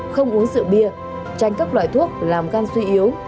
không uống rượu bia tránh các loại thuốc làm gan suy yếu